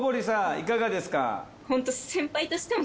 いかがですか？